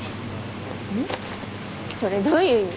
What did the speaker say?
それどういう意味？